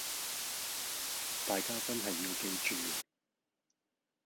大家真係要記住